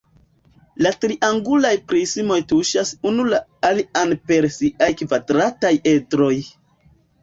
La triangulaj prismoj tuŝas unu la alian per siaj kvadrataj edroj.